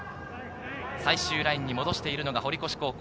最終ラインに戻しているのが堀越高校。